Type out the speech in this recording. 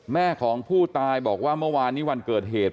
แม่ของผู้ตายบอกว่าเมื่อวานนี้วันเกิดเหตุ